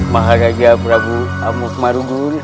maharaja prabu amusmarudun